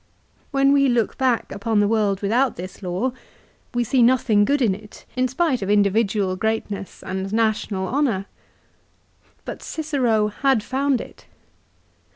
When we look back upon the world without this law, we see nothing good in it, in spite of individual great CICERO'S RELIGION. 397 ness and national honour. But Cicero had found it.